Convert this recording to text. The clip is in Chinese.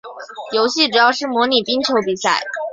游戏主要是模拟冰球比赛。